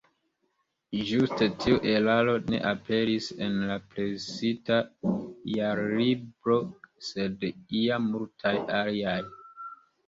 Ĝuste tiu eraro ne aperis en la presita Jarlibro, sed ja multaj aliaj.